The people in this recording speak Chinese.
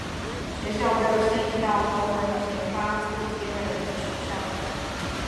学校唯有迁移到何文田巴富街的临时校舍。